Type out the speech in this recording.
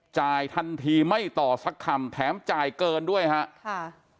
ทันทีไม่ต่อสักคำแถมจ่ายเกินด้วยฮะค่ะ